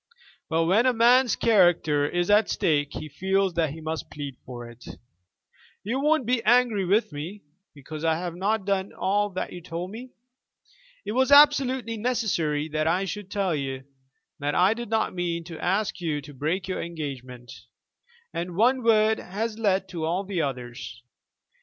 But when a man's character is at stake he feels that he must plead for it. You won't be angry with me because I have not done all that you told me? It was absolutely necessary that I should tell you that I did not mean to ask you to break your engagement, and one word has led to all the others.